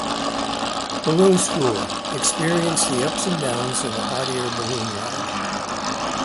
Balloon School: Experience the ups and downs of a hot air balloon ride.